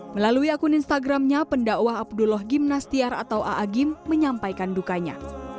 melalui akun instagramnya pendakwa abdullah gimnastiar atau a'agim menyampaikan dukanya